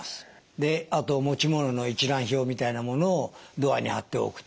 であと持ち物の一覧表みたいなものをドアに貼っておくと。